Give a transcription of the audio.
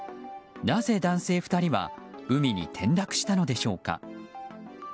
なぜ男性２人は海に転落したのでしょうか。